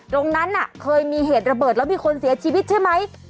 ตรงนั้นเคยมีเหตุระเบิดแล้วมีคนเสียชีวิตใช่ไหม